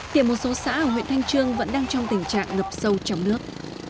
thì một số xã ở huyện thanh trương vẫn đang trong tình trạng ngập sâu trong nước